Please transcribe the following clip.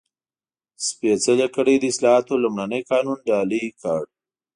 سپېڅلې کړۍ د اصلاحاتو لومړنی قانون ډالۍ کړ.